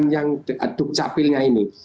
yang dukcapilnya ini